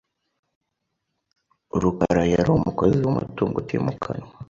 rukarayari umukozi wumutungo utimukanwa.